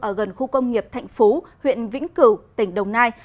ở gần khu công nghiệp thạnh phú huyện vĩnh cửu tỉnh đồng nai